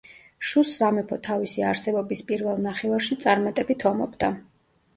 შუს სამეფო თავისი არსებობის პირველ ნახევარში წარმატებით ომობდა.